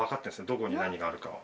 どこに何があるかは。